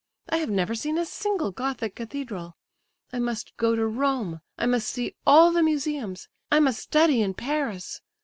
I have never seen a single Gothic cathedral. I must go to Rome; I must see all the museums; I must study in Paris.